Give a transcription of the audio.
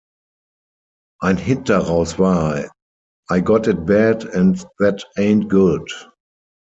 Ein Hit daraus war "I Got It Bad and That Ain't Good".